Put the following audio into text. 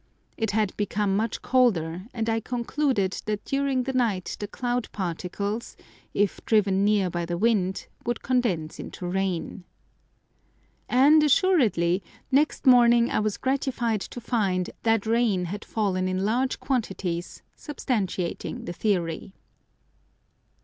It had become much colder, and I concluded that during the night the cloud particles, if driven near by the wind, would condense into rain. And, assuredly, next morning I was gratified to find that rain had fallen in large quantities, substantiating the theory.